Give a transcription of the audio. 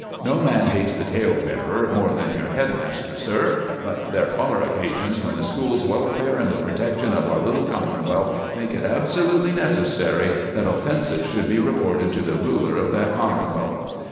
No man hates the tale bearer more than your head master, sir, but there are occasions when the school's welfare and the protection of our little commonwealth make it absolutely necessary that offences should be reported to the ruler of that commonwealth.